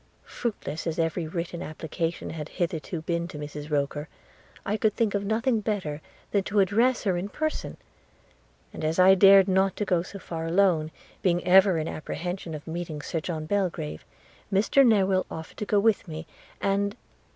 Fruitless as every written application had hitherto been to Mrs Roker, I could think of nothing better than to address her in person; and as I dared not go so far alone, being ever in apprehension of meeting Sir John Belgrave, Mr Newill offered to go with me, and